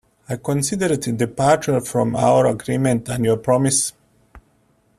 I consider it a departure from our agreement and your promise.